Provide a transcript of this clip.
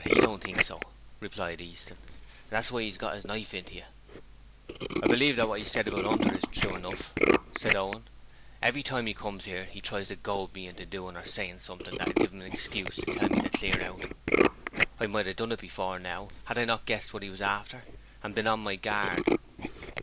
'But 'e don't think so,' replied Easton, 'and that's why 'e's got 'is knife into you.' 'I believe that what he said about Hunter is true enough,' said Owen. 'Every time he comes here he tries to goad me into doing or saying something that would give him an excuse to tell me to clear out. I might have done it before now if I had not guessed what he was after, and been on my guard.'